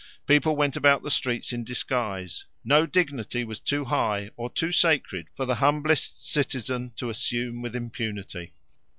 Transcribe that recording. People went about the streets in disguise. No dignity was too high or too sacred for the humblest citizen to assume with impunity.